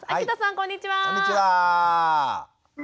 こんにちは。